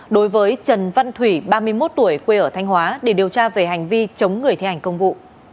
đối với trần văn thủy ba mươi một tuổi quê ở thanh hóa để điều tra về hành vi chống người thi hành công vụ